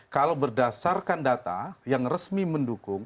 kalau berdasarkan data yang resmi mendukung